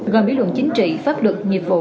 gòn bí luận chính trị pháp luật nhiệm vụ